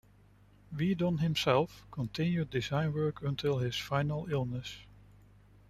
Weedon himself continued design work until his final illness.